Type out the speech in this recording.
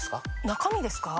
中身ですか？